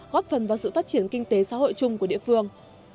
góp phần vào sự phát triển kinh tế xã hội chung của địa phương